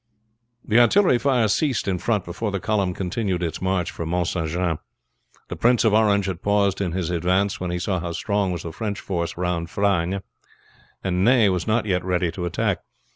The artillery fire ceased in front before the column continued its march for Mount St. Jean. The Prince of Orange had paused in his advance when he saw how strong was the French force round Frasnes, and Ney was not yet ready to attack.